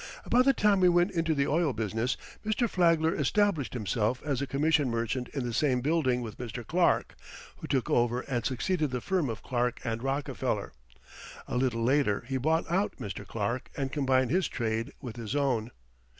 About the time we went into the oil business Mr. Flagler established himself as a commission merchant in the same building with Mr. Clark, who took over and succeeded the firm of Clark & Rockefeller. A little later he bought out Mr. Clark and combined his trade with his own.